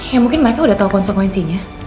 ya mungkin mereka udah tahu konsekuensinya